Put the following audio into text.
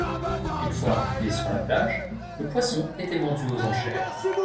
Une fois arrivé sur la plage, le poisson était vendu aux enchères.